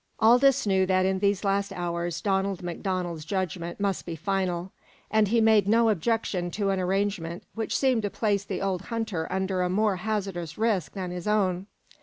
Aldous knew that in these last hours Donald MacDonald's judgment must be final, and he made no objection to an arrangement which seemed to place the old hunter under a more hazardous risk than his own.